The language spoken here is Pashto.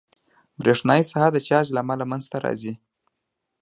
برېښنایي ساحه د چارج له امله منځته راځي.